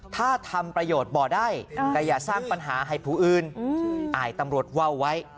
ถ้าทำประโยชน์บ่อได้แต่อย่าสร้างปัญหาให้ผู้อื่นอายตำรวจว่าวไว้